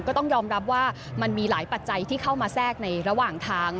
ก็ต้องยอมรับว่ามันมีหลายปัจจัยที่เข้ามาแทรกในระหว่างทาง